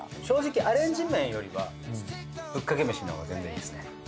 正直アレンジ麺よりはぶっかけ飯のが全然いいですね。